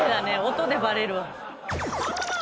音でバレるわ。